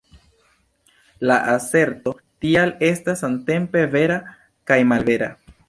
La aserto tial estas samtempe vera kaj malvera”.